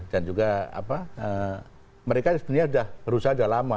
dan juga mereka sebenarnya sudah berusaha sudah lama